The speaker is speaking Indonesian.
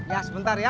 ya sebentar ya